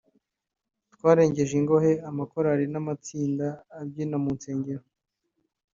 twarengeje ingohe amakorali n’amatsinda abyina mu nsengero